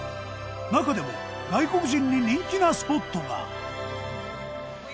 中でも外国人に人気なスポットが。